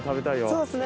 そうですね！